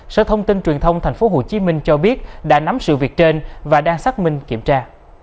sở thông tin truyền thông tp hcm cho biết đã nắm sự việc trên và đang xác minh kiểm tra